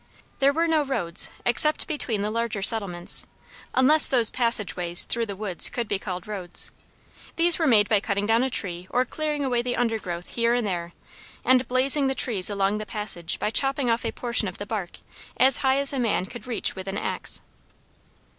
There were no roads, except between the larger settlements; unless those passage ways through the woods could be called roads. These were made by cutting down a tree or clearing away the undergrowth here and there, and "blazing" the trees along the passage by chopping off a portion of the bark as high as a man could reach with an axe.